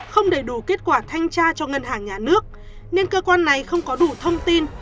không đầy đủ kết quả thanh tra cho ngân hàng nhà nước nên cơ quan này không có đủ thông tin